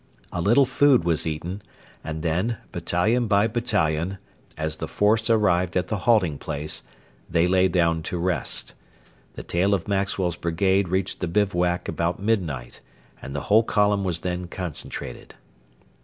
A little food was eaten, and then, battalion by battalion, as the force arrived at the halting place, they lay down to rest. The tail of Maxwell's brigade reached the bivouac about midnight, and the whole column was then concentrated.